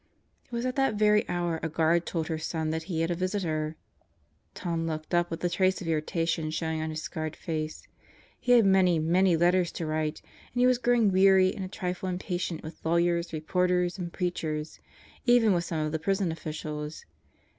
It was at that very hour a guard told her son that he had a visitor. Tom looked up with a trace of irritation showing on his scarred face. He had many, many letters to write and he was growing weary and a trifle impatient with lawyers, reporters, and preachers even with some of the prison officials.